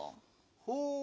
ほう。